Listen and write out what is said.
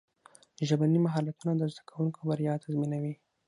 ژبني مهارتونه د زدهکوونکو بریا تضمینوي.